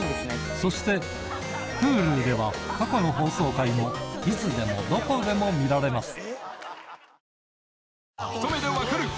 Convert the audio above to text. そしてＨｕｌｕでは過去の放送回もいつでもどこでも見られます